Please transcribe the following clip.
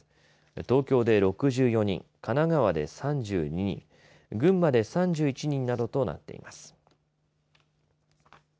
東京で６４人神奈川で３２人、群馬で３１人などとなっています。